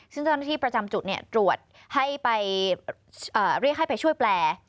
ซึ่งเจ้าหน้าที่ประจำจุดตรวจให้ไปเรียกให้ไปช่วยแปล